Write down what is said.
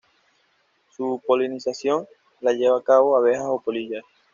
Su polinización la llevan a cabo abejas o polillas.